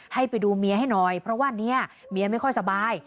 ให้ไปดูเมียให้หน่อยเพราะว่าเนี่ยเมียไม่ค่อยสบาย